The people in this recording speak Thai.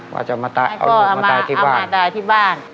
ว่าจะเอาลูกมาตายที่บ้าน